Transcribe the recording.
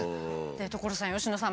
所さん佳乃さん。